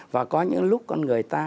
và có những lúc con người ta